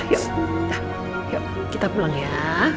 yuk kita pulang ya